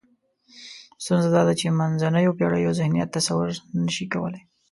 ستونزه دا ده چې منځنیو پېړیو ذهنیت تصور نشي کولای.